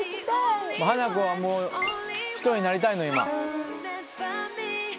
ハナコはもう１人になりたいの今。